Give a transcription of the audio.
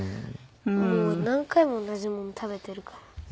何回も同じもの食べてるから。